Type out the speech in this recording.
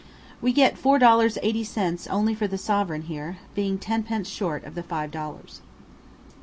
We get 4 dollars 80 cents only for the sovereign here, being tenpence short of the five dollars.